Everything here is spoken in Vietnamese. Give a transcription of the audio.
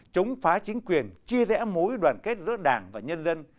chống phá chính quyền chia rẽ mối đoàn kết giữa đảng và nhân dân